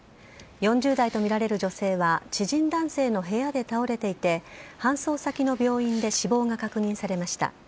４０代とみられる女性は知人男性の部屋で倒れていて搬送先の病院で死亡が確認されました。